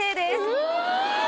うわ！